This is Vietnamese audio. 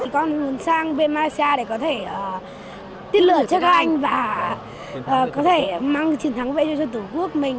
con muốn sang bên malaysia để có thể tiết lợi cho các anh và có thể mang chiến thắng về cho tổ quốc mình